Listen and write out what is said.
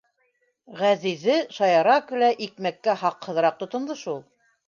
Ғәзизе шаяра-көлә икмәккә һаҡһыҙыраҡ тотондо шул.